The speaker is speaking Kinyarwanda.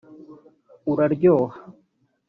uraryoha